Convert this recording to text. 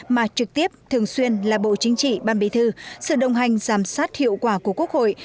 mà trực tiếp thường xuyên là bộ chính trị ban bí thư sự đồng hành giám sát hiệu quả của quốc hội